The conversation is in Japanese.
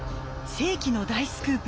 世紀の大スクープ